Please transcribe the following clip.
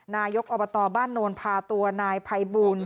นายกอบตบ้านโนนพาตัวนายภัยบูล